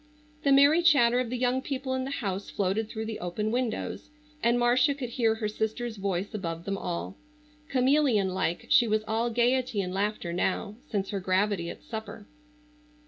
The merry chatter of the young people in the house floated through the open windows, and Marcia could hear her sister's voice above them all. Chameleon like she was all gaiety and laughter now, since her gravity at supper.